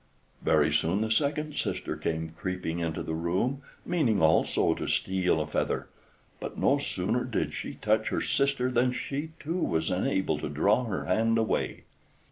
Very soon the second sister came creeping into the room, meaning also to steal a feather; but no sooner did she touch her sister than she, too, was unable to draw her hand away.